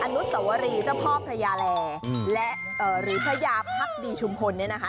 อนุสวรีเจ้าพ่อพระยาแลและหรือพระยาพักดีชุมพลเนี่ยนะคะ